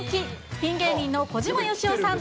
ピン芸人の小島よしおさん。